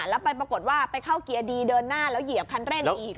แล้วไปปรากฏว่าไปเข้าเกียร์ดีเดินหน้าแล้วเหยียบคันเร่งอีก